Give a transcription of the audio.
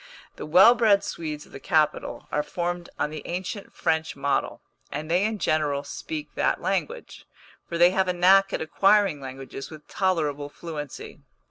The well bred Swedes of the capital are formed on the ancient French model, and they in general speak that language; for they have a knack at acquiring languages with tolerable fluency.